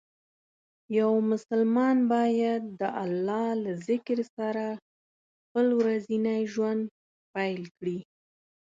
یو مسلمان باید د الله له ذکر سره خپل ورځنی ژوند پیل کړي.